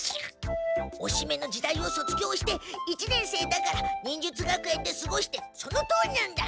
おしめの時代を卒業して一年生だから忍術学園で過ごしてそのとおりなんだ。